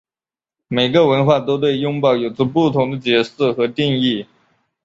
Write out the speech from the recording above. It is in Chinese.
每个文化都对拥抱有着不同的解释和定义。